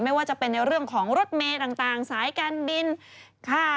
ไม่ว่าจะเป็นในเรื่องของรถเมย์ต่างสายการบินค่า